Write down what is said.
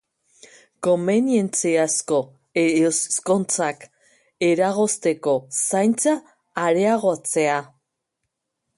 Komenientziazko ezkontzak eragozteko zaintza areagotzea.